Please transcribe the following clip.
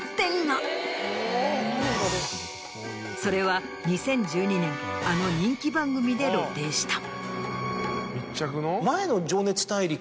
それは２０１２年あの人気番組で露呈した。